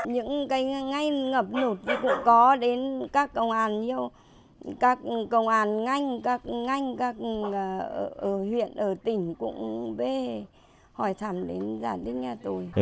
những cái ngay ngập nụt cũng có đến các công an nhiều các công an ngay các ngay các huyện tỉnh cũng về hỏi thăm đến gia đình nhà tôi